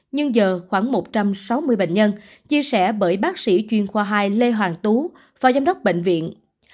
nhưng giờ khoảng một trăm sáu mươi bệnh nhân chia sẻ bởi bác sĩ chuyên khoa hai lê hoàng tú phó giám đốc bệnh viện